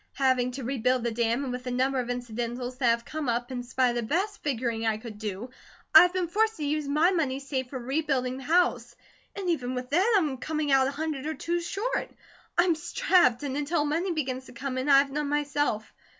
Having to rebuild the dam, and with a number of incidentals that have come up, in spite of the best figuring I could do, I have been forced to use my money saved for rebuilding the house; and even with that, I am coming out a hundred or two short. I'm strapped; and until money begins to come in I have none myself.